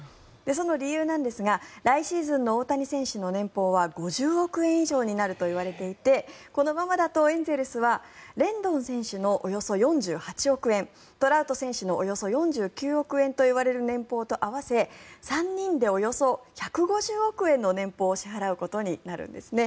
その理由なんですが来シーズンの大谷選手の年俸は５０億円以上になるといわれていてこのままだとエンゼルスはレンドン選手のおよそ４８億円トラウト選手のおよそ４９億円といわれる年俸と合わせ３人でおよそ１５０億円の年俸を支払うことになるんですね。